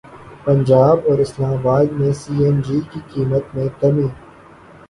پنجاب اور اسلام اباد میں C N G کی قیمت میں کمی